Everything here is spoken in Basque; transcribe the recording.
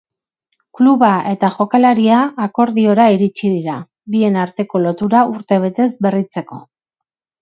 Kluba eta jokalaria akordiora iritsi dira, bien arteko lotura urtebetez berritzeko.